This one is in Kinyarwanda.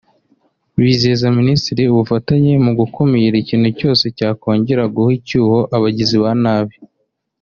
bizeza Minisitiri ubufatanye mu gukumira ikintu cyose cyakongera guha icyuho abagizi ba nabi